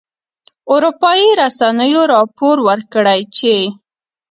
اروپایي رسنیو راپور ورکړی چې